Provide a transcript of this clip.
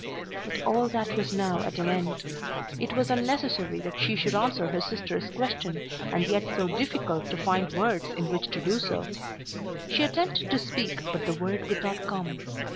But all that was now at an end. It was necessary that she should answer her sister's question, and yet so difficult to find words in which to do so. She attempted to speak but the word would not come.